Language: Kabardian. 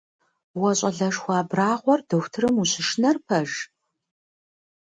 Уэ щӏалэшхуэ абрагъуэр дохутырым ущышынэр пэж?